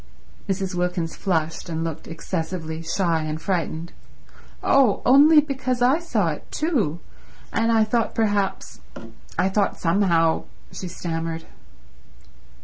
Mrs. Wilkins flushed and looked excessively shy and frightened. "Oh, only because I saw it too, and I thought perhaps—I thought somehow—" she stammered.